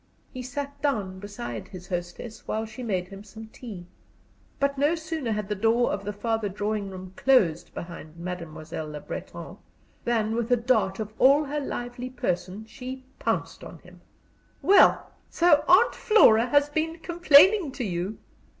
He sat down beside his hostess, while she made him some tea. But no sooner had the door of the farther drawing room closed behind Mademoiselle Le Breton, than with a dart of all her lively person she pounced upon him. "Well, so Aunt Flora has been complaining to you?"